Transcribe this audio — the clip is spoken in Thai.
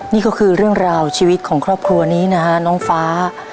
นี่ก็คือเรื่องราวชีวิตของครอบครัวนี้นะฮะน้องฟ้า